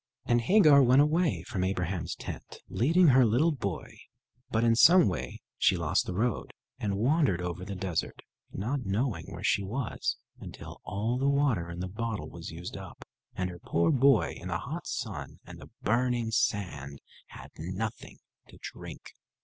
And Hagar went away from Abraham's tent, leading her little boy. But in some way she lost the road, and wandered over the desert, not knowing where she was, until all the water in the bottle was used up; and her poor boy in the hot sun and the burning sand had nothing to drink.